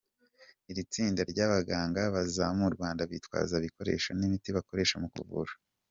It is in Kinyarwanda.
Iri tsinda ry’abaganga baza mu Rwanda bitwaza ibikoresho n’imiti bakoresha mu kuvura.